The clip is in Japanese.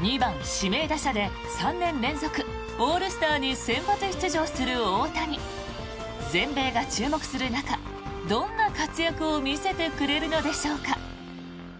２番指名打者で３年連続オールスターに先発出場する大谷全米が注目する中、どんな活躍を見せてくれるのでしょうか。